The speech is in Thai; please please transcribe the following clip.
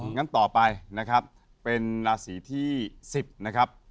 งั้นต่อไปนะครับเป็นราศีที่๑๐นะครับ